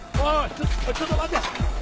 ちょちょっと待て！